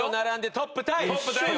トップタイよ。